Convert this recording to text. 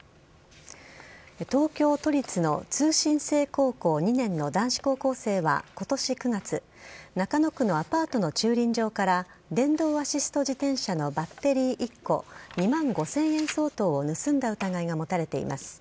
東京都立の通信制高校２年の男子高校生は、ことし９月、中野区のアパートの駐輪場から、電動アシスト自転車のバッテリー１個、２万５０００円相当を盗んだ疑いが持たれています。